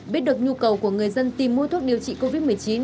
biết được nhu cầu của người dân tìm mua thuốc điều trị covid một mươi chín